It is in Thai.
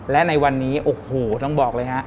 และในวันนี้โอ้โหต้องบอกเลยฮะ